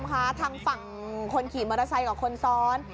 นี่แหละค่ะคุณผู้ชมค่ะทางฝั่งคนขี่มอเตอร์ไซต์กับคนซ้อน